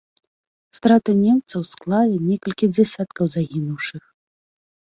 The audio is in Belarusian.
Страты немцаў склалі некалькі дзясяткаў загінуўшых.